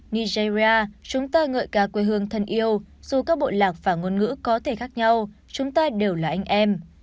nigeria chúng ta ngợi ca quê hương thân yêu dù các bộ lạc và ngôn ngữ có thể khác nhau chúng ta đều là anh em